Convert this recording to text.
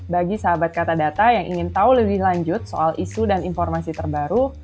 bagi sahabat kata data yang ingin tahu lebih lanjut soal isu dan informasi terbaru